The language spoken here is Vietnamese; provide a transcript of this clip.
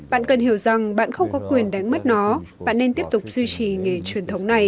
bạn cần hiểu rằng bạn không có quyền đánh mất nó bạn nên tiếp tục duy trì nghề truyền thống này